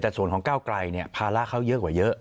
แต่ส่วนของเก้าไกลเนี่ยพาร่าเขาเยอะกว่าเยอะ